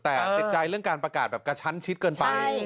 แต่ติดใจเรื่องการประกาศแบบกระชั้นชิดเกินไป